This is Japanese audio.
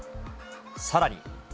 さらに。